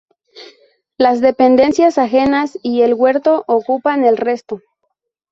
Las dependencias anejas y el huerto ocupan el resto.